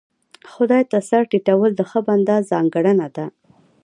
خدای ته سر ټيټول د ښه بنده ځانګړنه ده.